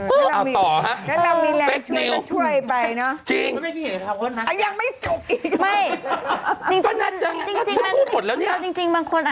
เอาต่อนะ